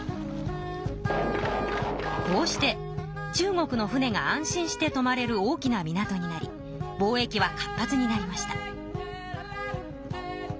こうして中国の船が安心してとまれる大きな港になり貿易は活発になりました。